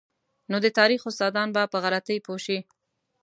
نو د تاریخ استادان به په غلطۍ پوه شي.